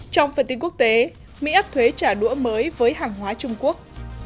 trong phần tin quốc tế mỹ áp thuế trả đũa mới với hàng hóa trung quốc